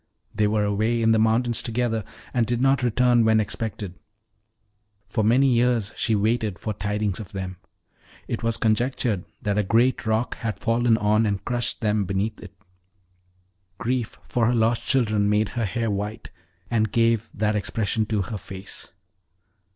They were away in the mountains together, and did not return when expected: for many years she waited for tidings of them. It was conjectured that a great rock had fallen on and crushed them beneath it. Grief for her lost children made her hair white, and gave that expression to her face."